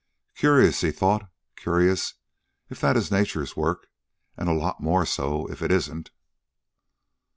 "Curious," he thought; "curious if that is nature's work and a lot more so if it isn't."